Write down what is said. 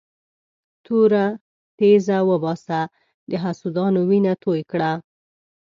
توره تېزه وباسه د حسودانو وینه توی کړه.